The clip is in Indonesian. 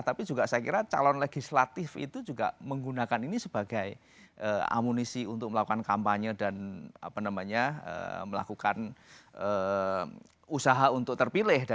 tapi juga saya kira calon legislatif itu juga menggunakan ini sebagai amunisi untuk melakukan kampanye dan melakukan usaha untuk terpilih